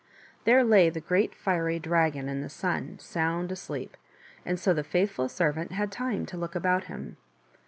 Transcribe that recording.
There lay the great fiery dragon in the sun, sound asleep, and so the faithful servant had time to look about him.